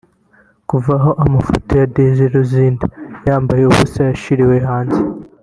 Kuva aho amafoto ya Desire Luzinda yambaye ubusa yashyiriwe hanze